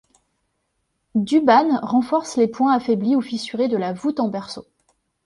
Duban renforce les points affaiblis ou fissurés de la voûte en berceau.